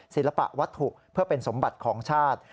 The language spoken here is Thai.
ศิลปะวัตถุเพื่อเป็นสมบัติของชาติ